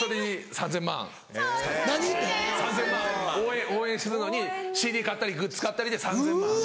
３０００万円応援するのにＣＤ買ったりグッズ買ったりで３０００万円。